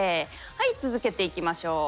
はい続けていきましょう。